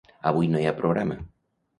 Avui no hi ha programa.